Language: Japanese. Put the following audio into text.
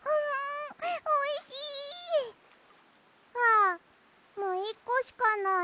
あもう１こしかない。